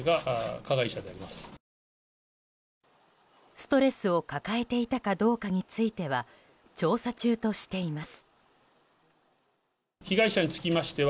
ストレスを抱えていたかどうかについては調査中としています。